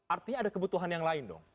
artinya ada kebutuhan yang lain dong